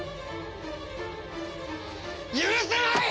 許せない！！